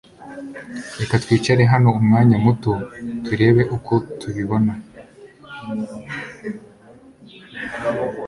Reka twicare hano umwanya muto turebe uko tubibona.